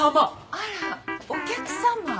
あらお客様？